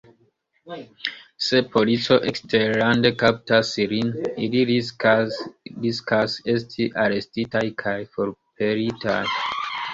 Se polico eksterlande kaptas ilin, ili riskas esti arestitaj kaj forpelitaj.